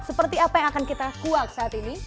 seperti apa yang akan kita kuak saat ini